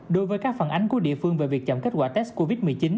đối với các phản ánh của địa phương về việc chậm kết quả test covid một mươi chín